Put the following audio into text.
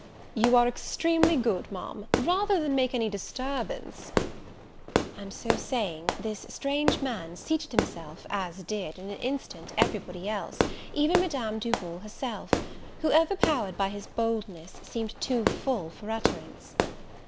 "You are extremely good, Ma'am: rather than make any disturbance " And so saying, this strange man seated himself, as did, in an instant every body else, even Madame Duval herself, who, overpowered by his boldness, seemed too full for utterance.